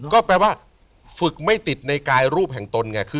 ก็แปลว่าฝึกไม่ติดในกายรูปแห่งตนไง